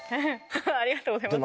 ありがとうございます。